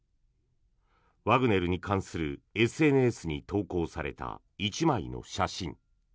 ワグネルに関するＳＮＳに投稿された１枚の写真。